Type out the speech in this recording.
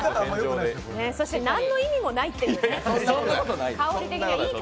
そして何の意味もないっていうね。